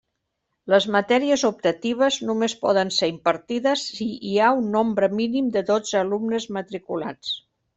Les matèries optatives només poden ser impartides si hi ha un nombre mínim de dotze alumnes matriculats.